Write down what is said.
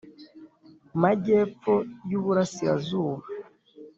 Magepfo y uburasirazuba